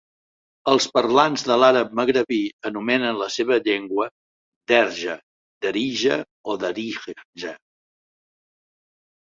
Els parlants de l'àrab magrebí anomenen la seva llengua Derja, Derija o Darija.